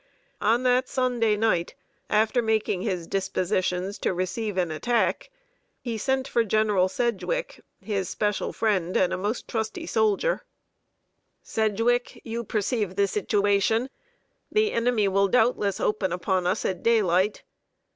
On that Sunday night, after making his dispositions to receive an attack, he sent for General Sedgwick, his special friend and a most trusty soldier: "Sedgwick, you perceive the situation. The enemy will doubtless open upon us at daylight.